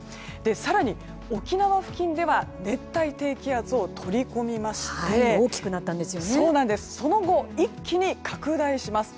更に、沖縄付近では熱帯低気圧を取り込みましてその後、一気に拡大します。